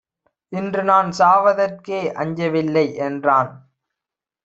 இன்றுநான் சாவதற்கே அஞ்சவில்லை என்றான்!